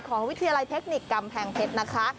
วิทยาลัยเทคนิคกำแพงเพชรนะคะ